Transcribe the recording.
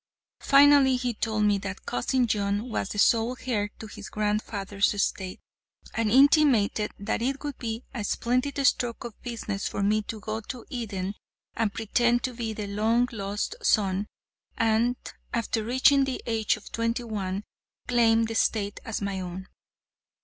Finally, he told me that Cousin John was the sole heir to his grandfather's estate, and intimated that it would be a splendid stroke of business for me to go to Eden and pretend to be the long lost son, and, after reaching the age of twenty one, claim the estate as my own.